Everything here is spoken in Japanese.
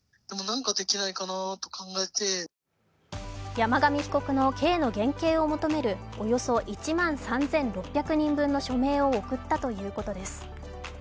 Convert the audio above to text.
山上被告の刑の減軽を求めるおよそ１万３６００人分の署名を送ったということです。